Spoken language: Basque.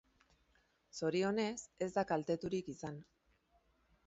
Zorionez, ez da kalteturik izan.